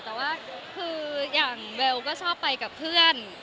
แต่ว่าคืออย่างเบลก็ชอบไปกับเพื่อน